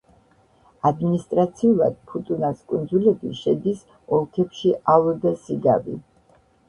ადმინისტრაციულად ფუტუნას კუნძულები შედის ოლქებში ალო და სიგავი.